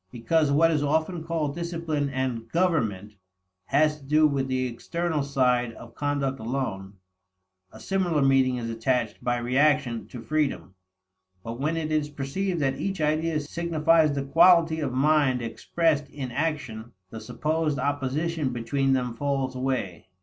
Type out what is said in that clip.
Because what is often called discipline and "government" has to do with the external side of conduct alone, a similar meaning is attached, by reaction, to freedom. But when it is perceived that each idea signifies the quality of mind expressed in action, the supposed opposition between them falls away.